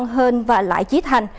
nguyễn văn hên và lãi trí thành